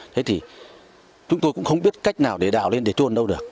thế thì chúng tôi cũng không biết cách nào để đào lên để trôn đâu được